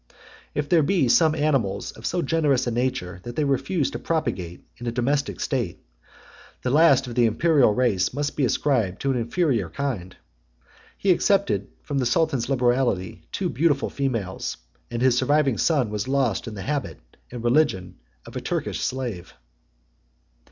If there be some animals of so generous a nature that they refuse to propagate in a domestic state, the last of the Imperial race must be ascribed to an inferior kind: he accepted from the sultan's liberality two beautiful females; and his surviving son was lost in the habit and religion of a Turkish slave.